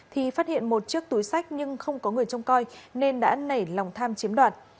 thì phát hiện một chiếc túi sách nhưng không có người trông coi nên đã nảy lòng tham chiếm đoạt